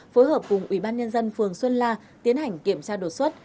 phối hợp cùng ủy ban nhân dân phường xuân la tiến hành kiểm tra đột xuất